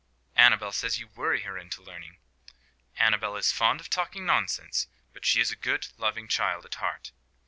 "Annabel says you worry her into learning." "Annabel is fond of talking nonsense; but she is a good, loving child at heart.